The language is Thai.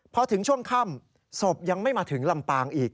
พอถึงช่วงค่ำศพยังไม่มาถึงลำปางอีก